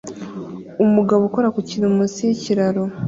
Umugabo ukora ku kintu munsi yikiraro